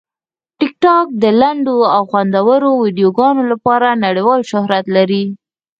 ټیکټاک د لنډو او خوندورو ویډیوګانو لپاره نړیوال شهرت لري.